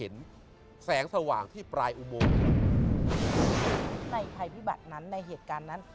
ในภัยพิบัตรนั้นในเหตุการณ์นั้น